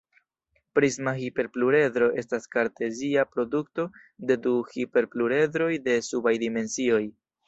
Prisma hiperpluredro estas kartezia produto de du hiperpluredroj de subaj dimensioj.